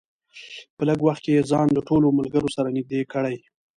په لږ وخت کې یې ځان له ټولو ملګرو سره نږدې کړی.